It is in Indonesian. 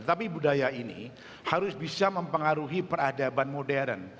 tapi budaya ini harus bisa mempengaruhi peradaban modern